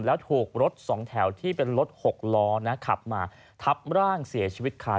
แล้วถูกรถสองแถวที่เป็นรถหกล้อนะขับมาทับร่างเสียชีวิตค่ะ